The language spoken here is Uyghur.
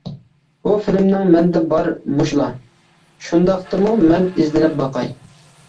بۇ فىلىمنىڭ مەندە بارى مۇشۇلا، شۇنداقتىمۇ مەن ئىزدىنىپ باقاي.